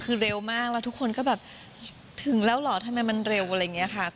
คือเร็วมากแล้วทุกคนก็แบบถึงแล้วเหรอทำไมมันเร็วอะไรอย่างนี้ค่ะ